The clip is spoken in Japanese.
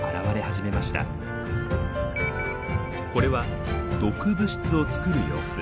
これは毒物質を作る様子。